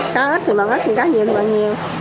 cá ít thì bằng ít cá nhiều thì bằng nhiều